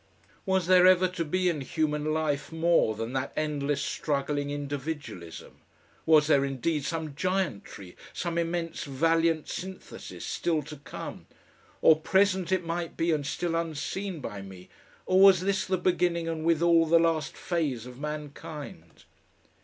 Was there ever to be in human life more than that endless struggling individualism? Was there indeed some giantry, some immense valiant synthesis, still to come or present it might be and still unseen by me, or was this the beginning and withal the last phase of mankind?...